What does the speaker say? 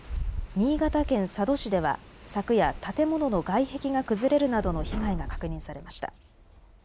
新潟県佐渡市では昨夜、建物の外壁が崩れるなどの被害が確認されました。